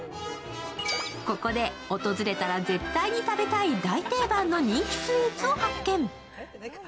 ここで訪れたら絶対に食べたい大定番の人気スイーツを発見。